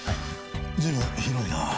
随分広いな。